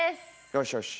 よしよし。